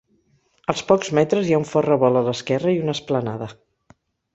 Als pocs metres hi ha un fort revolt a l'esquerra i una esplanada.